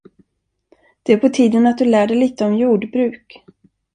Det är på tiden att du lär dig lite om jordbruk!